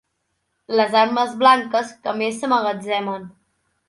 Les armes blanques que més s'emmagatzemen.